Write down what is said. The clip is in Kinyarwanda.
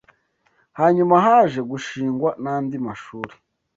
Hanyuma haje gushingwa n’andi mashuri.